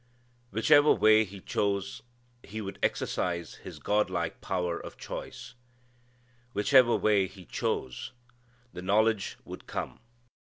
Whichever way he chose he would exercise his God like power of choice. Whichever way he chose, the knowledge would come.